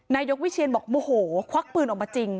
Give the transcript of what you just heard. นายกวิเชียนบอกโมโหควักปืนออกมาจริง